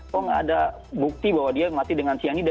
kok nggak ada bukti bahwa dia mati dengan cyanida